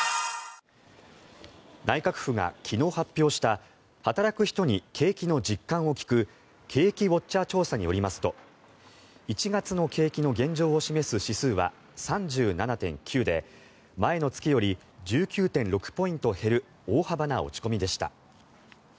内閣府が昨日発表した働く人に景気の実感を聞く景気ウォッチャー調査によりますと１月の景気の現状を示す指数は３７．９で前の月より１９．６ポイント減る大幅な落ち込みでした。